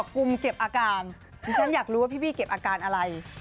กุมเก็บอาการดิฉันอยากรู้ว่าพี่บี้เก็บอาการอะไร